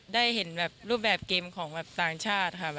ได้เห็นแบบรูปแบบเกมของแบบต่างชาติค่ะ